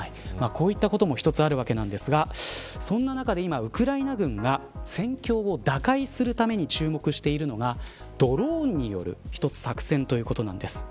こういったことも一つあるわけなんですがそんな中で、ウクライナ軍が戦況を打開するために注目しているのがドローンによる作戦ということなんです。